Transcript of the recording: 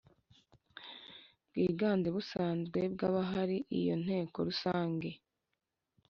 Bwiganze busanzwe bw abahari iyo inteko rusange